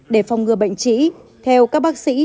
để phòng ngừa bệnh trĩ theo các bác sĩ